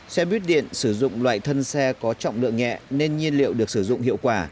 xe buýt điện sử dụng loại thân xe có trọng lượng nhẹ nên nhiên liệu được sử dụng hiệu quả